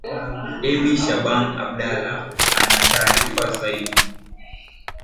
ebi shaban abdala anataarifa zaidi